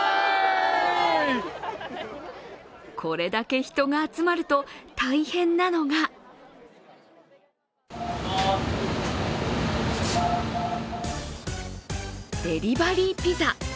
これだけ人が集まると大変なのがデリバリーピザ。